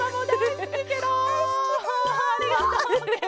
ありがとうケロ。